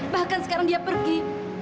bahkan sekarang dia pergi